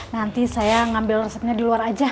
nanti saya ngambil resepnya di luar aja